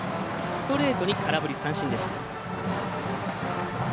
ストレートに空振り三振でした。